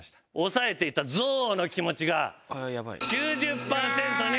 抑えていた憎悪の気持ちが９０パーセントになります。